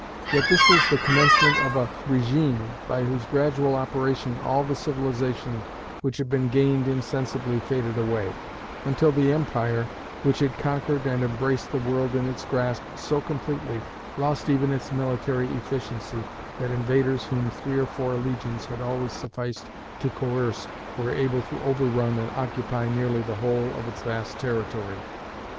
Yet this was the commencement of a régime by whose gradual operation all the civilization which had been gained insensibly faded away, until the empire, which had conquered and embraced the world in its grasp so completely lost even its military efficiency that invaders whom three or four legions had always sufficed to coerce were able to overrun and occupy nearly the whole of its vast territory.